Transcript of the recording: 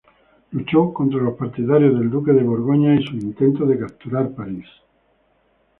Luchó contra los partidarios del duque de Borgoña y sus intentos de capturar París.